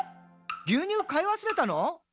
牛乳買い忘れたの？」